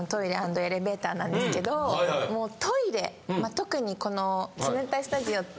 特にこの砧スタジオって。